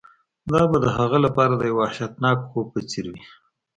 دا به د هغه لپاره د یو وحشتناک خوب په څیر وي